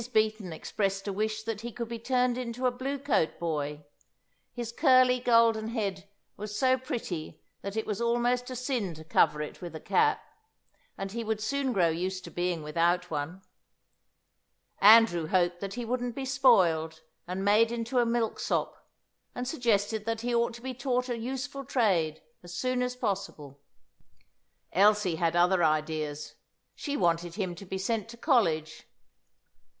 Beaton expressed a wish that he could be turned into a blue coat boy; his curly golden head was so pretty that it was almost a sin to cover it with a cap, and he would soon grow used to being without one. Andrew hoped that he wouldn't be spoiled, and made into a milksop, and suggested that he ought to be taught a useful trade as soon as possible. Elsie had other ideas; she wanted him to be sent to college.